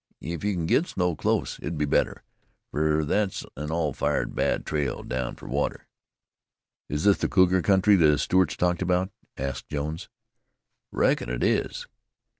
If you can git snow close, it'd be better, fer thet's an all fired bad trail down fer water." "Is this the cougar country the Stewarts talked about?" asked Jones. "Reckon it is.